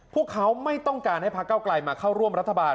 พวกเขาไม่ต้องการให้พระเก้าไกลมาเข้าร่วมรัฐบาล